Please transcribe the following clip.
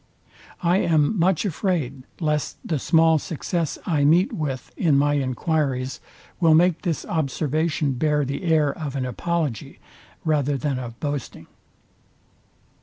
I am much afraid lest the small success I meet with in my enquiries will make this observation bear the air of an apology rather than of boasting.